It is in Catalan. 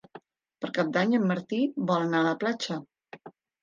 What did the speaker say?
Per Cap d'Any en Martí vol anar a la platja.